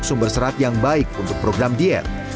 sumber serat yang baik untuk program diet